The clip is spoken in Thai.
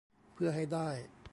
เพื่อให้ได้